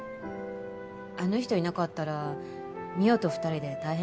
あの人いなかったら美桜と２人で大変だったし。